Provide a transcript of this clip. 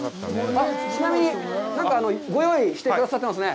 ちなみに、何かご用意してくださってますね。